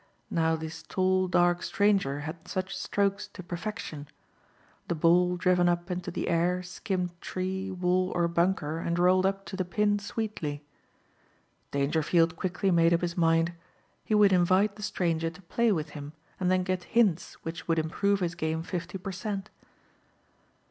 Now this tall, dark stranger had such strokes to perfection. The ball driven up into the air skimmed tree, wall or bunker and rolled up to the pin sweetly. Dangerfield quickly made up his mind. He would invite the stranger to play with him and then get hints which would improve his game fifty per cent.